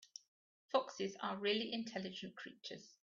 Foxes are really intelligent creatures.